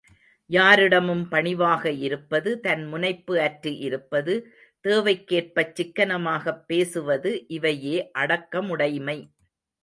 யாரிடமும் பணிவாக இருப்பது தன் முனைப்பு அற்று இருப்பது தேவைக்கேற்பச் சிக்கனமாகப் பேசுவது இவையே அடக்கமுடைமை.